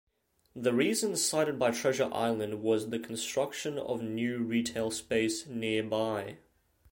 The reason cited by Treasure Island was the construction of new retail space nearby.